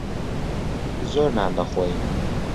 زۆر نان دەخۆین.